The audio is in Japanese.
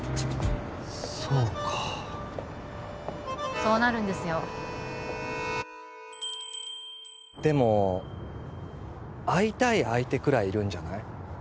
そうかそうなるんですよでも会いたい相手くらいいるんじゃない？